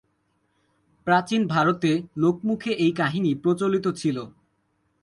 প্রাচীন ভারতে লোকমুখে এই কাহিনী প্রচলিত ছিল।